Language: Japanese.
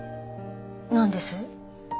なんです？